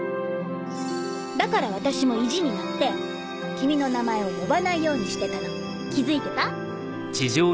だから私も意地になって君の名前を呼ばないようにしてたの気付いてた？